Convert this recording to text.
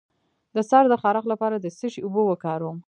د سر د خارښ لپاره د څه شي اوبه وکاروم؟